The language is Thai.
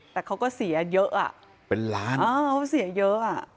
แต่เขาก็เสียเยอะอ่ะเป็นล้านอ๋อเขาเสียเยอะอ่ะ